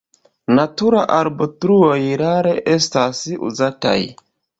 Natura arbotruoj rare estas uzataj.